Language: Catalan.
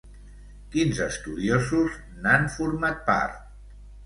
Quins estudiosos n'han format part?